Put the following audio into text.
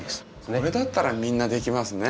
これだったらみんなできますね。